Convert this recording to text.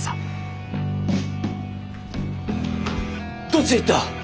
どっちへ行った？